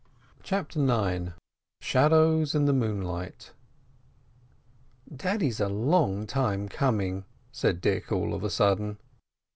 CHAPTER IX SHADOWS IN THE MOONLIGHT "Daddy's a long time coming," said Dick all of a sudden.